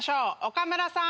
岡村さん。